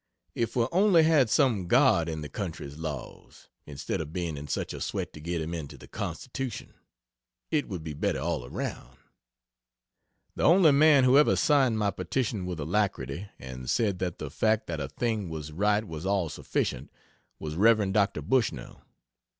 If we only had some God in the country's laws, instead of being in such a sweat to get Him into the Constitution, it would be better all around. The only man who ever signed my petition with alacrity, and said that the fact that a thing was right was all sufficient, was Rev. Dr. Bushnell.